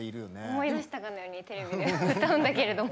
思い出したかのようにテレビで歌うんだけれども。